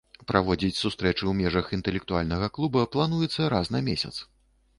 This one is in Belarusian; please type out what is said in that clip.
Праводзіць сустрэчы ў межах інтэлектуальнага клуба плануецца раз на месяц.